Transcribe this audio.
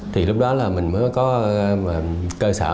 thì lúc đó là mình mới có cơ sở